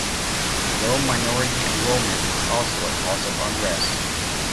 Low minority enrollment was also a cause of unrest.